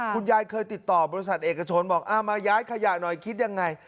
คุณยายเคยติดต่อบริษัทเอกชนบอกมาย้ายขยะหน่อยคิดยังไง